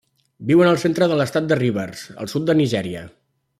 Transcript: Viuen al centre de l'estat de Rivers, al sud de Nigèria.